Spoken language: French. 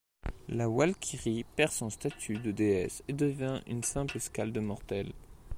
La Walkyrie perd son statut de déesse et devient une simple scalde mortelle.